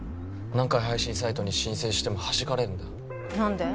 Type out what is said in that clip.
何回配信サイトに申請してもはじかれるんだ何で？